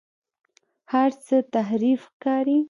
هر هڅه تحریف ښکاري.